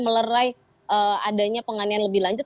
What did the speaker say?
melerai adanya penganian lebih lanjut